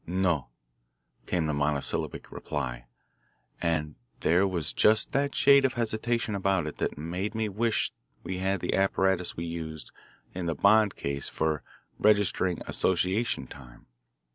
"No," came the monosyllabic reply, and there was just that shade of hesitation about it that made me wish we had the apparatus we used in the Bond case for registering association time.